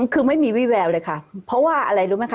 คือไม่มีวิแววเลยค่ะเพราะว่าอะไรรู้ไหมค